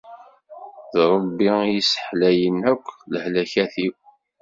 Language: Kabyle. D Rebbi i yesseḥlayen akk lehlakat-iw.